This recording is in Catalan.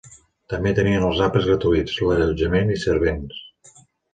També tenien els àpats gratuïts, l'allotjament i servents.